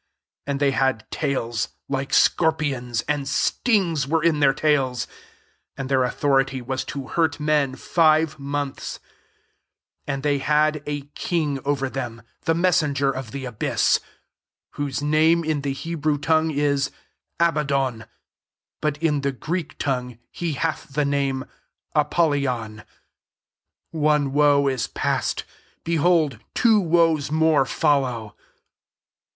10 And they had tails like scorpions, and stings were in their tails: and their xuthority vhis to hurt men five months* 11 AndXh^Y had a king over them» the messenger of the abyss ; whose name in the * Hebrew ton,^ue is Abaddon, but in the Greek tongue he hath the name ApoUyon.* 12 One woe is past ; behold two woes more follow.